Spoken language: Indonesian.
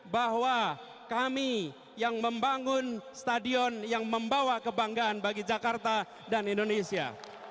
bahwa kami yang membangun stadion yang membawa kebanggaan bagi jakarta dan indonesia